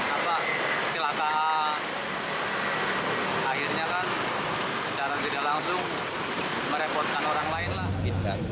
akhirnya kan secara tidak langsung merepotkan orang lain